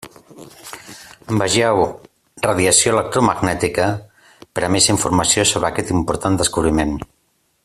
Vegeu Radiació electromagnètica per a més informació sobre aquest important descobriment.